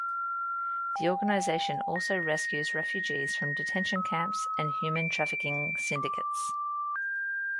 The organization also rescues refugees from detention camps and human trafficking syndicates.